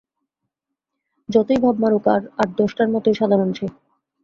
যতই ভাব মারুক, আর আট-দশটার মতোই সাধারণ সে।